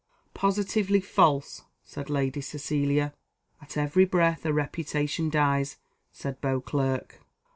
"Positively false," said Lady Cecilia. "At every breath a reputation dies," said Beauclerc.